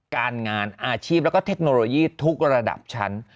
การงานอาชีพแล้วก็เทคโนโลยีทุกระดับชั้น